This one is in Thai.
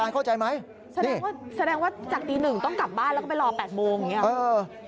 แสดงว่าจากตีหนึ่งต้องกลับบ้านแล้วก็ไปรอ๘โมงอย่างนี้